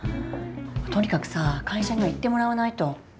とにかくさ会社には行ってもらわないと。